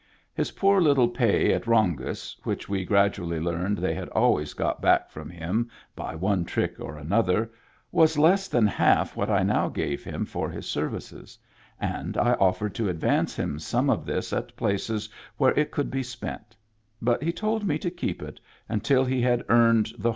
His poor little pay at Rongis, which we gradually learned they had always got back from him by one trick or another, was less than half what I now gave him for his services, and I offered to advance him some of this at places where it could be spent ; but he told me to keep it until he had earned the whole of it.